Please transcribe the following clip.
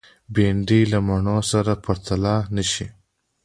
بېنډۍ له مڼو سره پرتله نشي